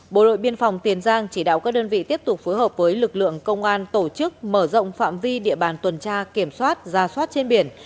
bộ đội biên phòng tiền giang chỉ đạo các đơn vị tiếp tục phối hợp với lực lượng công an tổ chức mở rộng phạm vi địa bàn tuần tra kiểm soát ra soát trên biển